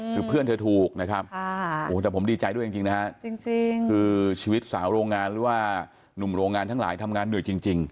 คือเพื่อนเธอถูกนะครับแต่ผมดีใจด้วยจริงนะฮะจริงคือชีวิตสาวโรงงานหรือว่าหนุ่มโรงงานทั้งหลายทำงานเหนื่อยจริง